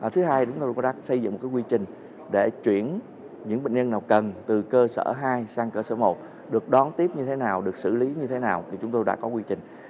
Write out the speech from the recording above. thứ hai chúng tôi có xây dựng một quy trình để chuyển những bệnh nhân nào cần từ cơ sở hai sang cơ sở một được đón tiếp như thế nào được xử lý như thế nào thì chúng tôi đã có quy trình